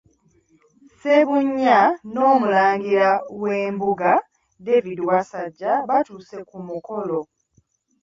Ssebunnya n’omulangira w’embuga David Wassajja batuuse ku mukolo.